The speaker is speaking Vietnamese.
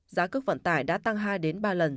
giá cước vận tải đã tăng hai ba lần